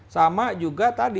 sama juga tadi